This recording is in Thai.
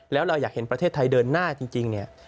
แล้วเราอยากเห็นประเทศไทยเดินหน้าจริงเนี่ย